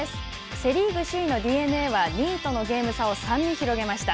セ・リーグ首位のＤｅＮＡは２位とのゲーム差を３に広げました。